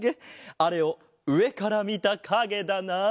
あれをうえからみたかげだな？